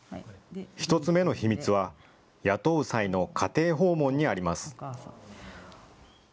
１つ目の秘密は雇う際の家庭訪問にあります。